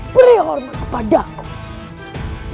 beri hormat kepada aku